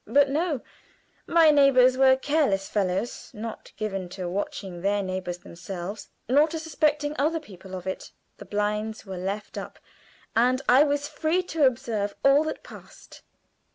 But no; my neighbors were careless fellows not given to watching their neighbors themselves nor to suspecting other people of it. The blinds were left up, and I was free to observe all that passed.